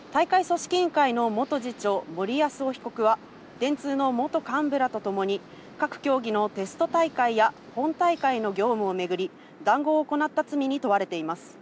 大会組織委員会の元次長・森泰夫被告は、電通の元幹部らとともに各競技のテスト大会や本大会の業務を巡り談合を行った罪に問われています。